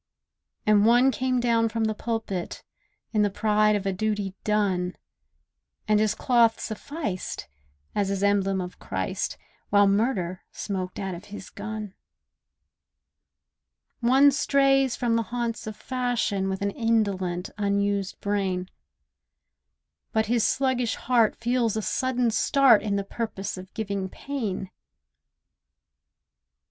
And one came down from the pulpit, In the pride of a duty done, And his cloth sufficed, as his emblem of Christ, While murder smoked out of his gun. One strays from the haunts of fashion With an indolent, unused brain; But his sluggish heart feels a sudden start In the purpose of giving pain.